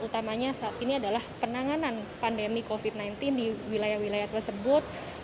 utamanya saat ini adalah penanganan pandemi covid sembilan belas di wilayah wilayah tersebut